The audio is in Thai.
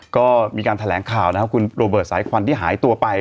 ก็มีการแถลงข่าวนะครับคุณโรเบิร์ตสายควันที่หายตัวไป